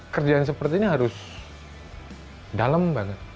kerjaan seperti ini harus dalam banget